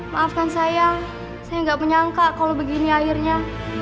maafkan saya saya gak menyangka kalau begini akhirnya